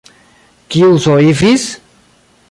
Kiu soifis?